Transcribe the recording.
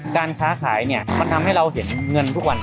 การค้าขายเนี่ยมันทำให้เราเห็นเงินทุกวัน